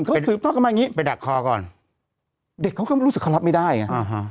เขาสืบทอดกันมาอย่างงี้ไปดักคอก่อนเด็กเขาก็รู้สึกเขารับไม่ได้ไงอ่าฮะ